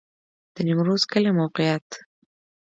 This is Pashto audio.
د نیمروز کلی موقعیت